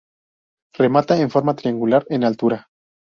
Remata en forma triangular en altura.